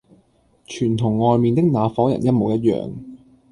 全同外面的那夥人一模一樣。